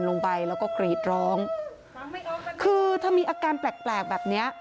ลงไปแล้วก็กรีดร้องคือถ้ามีอาการแปลกแปลกแบบเนี้ย